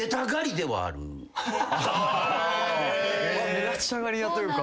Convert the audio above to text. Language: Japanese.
目立ちたがり屋というか。